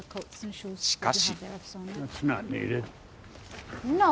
しかし。